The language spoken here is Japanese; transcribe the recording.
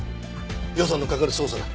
予算のかかる捜査だ。